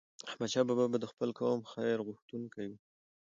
احمدشاه بابا به د خپل قوم خیرغوښتونکی و.